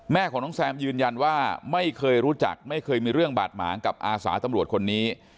แม่ของน้องแซมยืนยันว่าไม่เคยรู้จักไม่เคยมีเรื่องบาดหมางกับอาสาตำรวจคนนี้